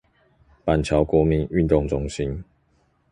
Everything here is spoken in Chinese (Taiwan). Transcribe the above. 板橋國民運動中心